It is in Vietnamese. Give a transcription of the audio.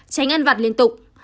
tránh ăn vặt liên tục